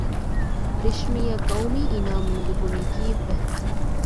ރިޝްމީއަށް ގައުމީ އިނާމު ނުލިބުނީ ކީއްވެ؟